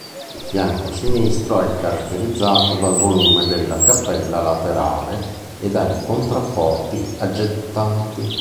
Il fianco sinistro è caratterizzato dal volume della cappella laterale e dai contrafforti aggettanti.